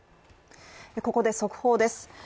ここで速報です。